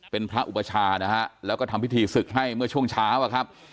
เป็นพระอุปชานะฮะแล้วก็ทำพิธีศึกให้เมื่อช่วงเช้าอะครับ